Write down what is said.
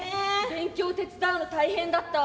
「勉強手伝うの大変だった」。